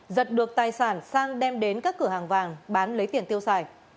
giật được tài sản sang đem đến các cửa hàng vàng bán lấy tiền tiêu xài